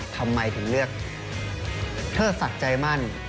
ทำไมถึงเลือกเทอดสัตย์ใจมั่น